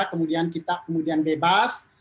kemudian kita kemudian bebas